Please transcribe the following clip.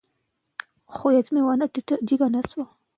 موږ باید د خپلې ژبې قدر وکړو.